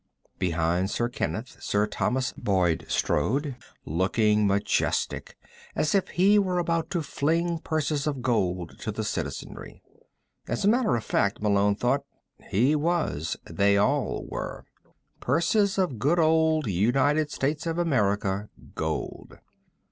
Behind Sir Kenneth, Sir Thomas Boyd strode, looking majestic, as if he were about to fling purses of gold to the citizenry. As a matter of fact, Malone thought, he was. They all were. Purses of good old United States of America gold.